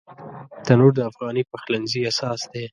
تنور د افغاني پخلنځي اساس دی